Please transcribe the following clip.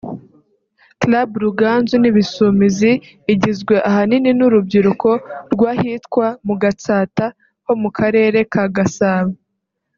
Club Ruganzu n’Ibisumizi igizwe ahanini n’urubyiruko rw’ahitwa mu Gatsata ho mu Karere ka Gasabo